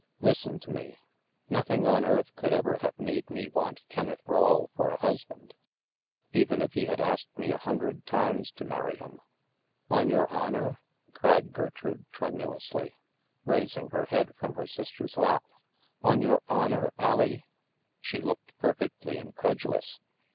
Listen to me. Noth ing on earth could ever have made me want Kenneth Rawle for a husband, even if he had asked me a hundred times to marry him." " On your honor ?" cried Gertrude tremulously, raising her head from his sister's lap. On your honor, Allie ?" She looked perfectly incredulous.